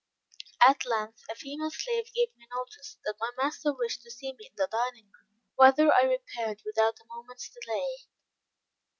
At length a female slave gave me notice that my master wished to see me in the dining room, whither I repaired without a moment's delay.